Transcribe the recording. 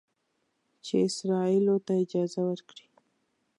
چې اسرائیلو ته اجازه ورکړي